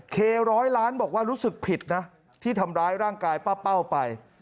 เคร้อยล้านบอกว่ารู้สึกผิดนะที่ทำร้ายร่างกายป้าเป้าไป